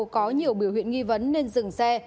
có nhiều biểu hiện nghi vấn nên dừng xe